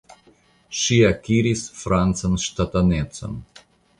Ŝi akiris francan ŝtatanecon.